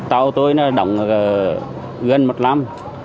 tàu tôi nó động gần một năm